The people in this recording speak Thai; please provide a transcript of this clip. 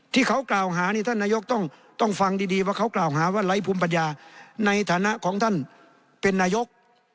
ที่เขากล่าวหานี่ท่านนายกต้องฟังดีว่าเขากล่าวหาว่าไร้ภูมิปัญญาในฐานะของท่านเป็นนายก